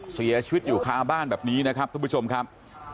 เสียชีวิตอยู่คาบ้านแบบนี้นะครับทุกผู้ชมครับ